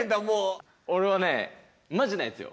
俺はねマジなやつよ。